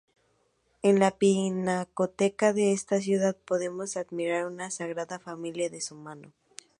En la pinacoteca de esta ciudad podemos admirar una "Sagrada Familia" de su mano.